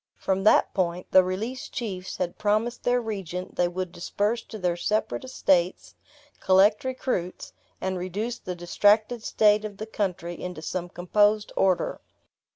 From that point, the released chiefs had promised their regent they would disperse to their separate estates, collect recruits, and reduce the distracted state of the country into some composed order.